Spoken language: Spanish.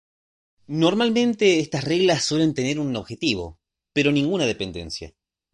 Normalmente estas reglas suelen tener un objetivo, pero ninguna dependencia.